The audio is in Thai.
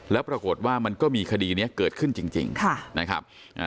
แล้วปรากฏว่ามันก็มีคดีนี้เกิดขึ้นจริงนะครับ